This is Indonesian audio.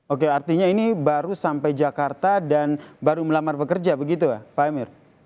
oke artinya ini baru sampai jakarta dan baru melamar bekerja begitu ya pak emir